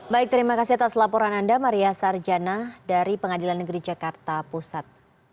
baik terima kasih atas laporan anda maria sarjana dari pengadilan negeri jakarta pusat